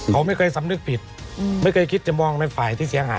เขาไม่เคยสำนึกผิดไม่เคยคิดจะมองในฝ่ายที่เสียหาย